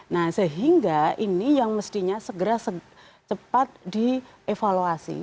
nah sehingga ini yang mestinya segera cepat dievaluasi